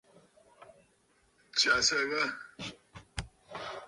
Tsyàsə̀ ghâ.